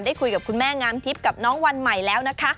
คุยกับคุณแม่งามทิพย์กับน้องวันใหม่แล้วนะคะ